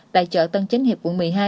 tại chợ tân chánh hiệp quận một mươi hai